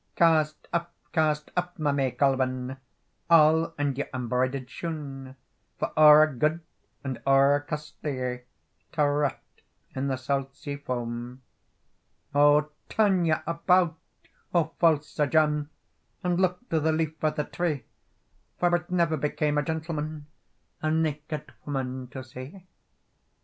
"Cast off, cast off, my May Colven, All and your embroiderd shoen, For oer good and oer costly To rot in the salt sea foam." "O turn you about, O false Sir John, And look to the leaf of the tree, For it never became a gentleman A naked woman to see."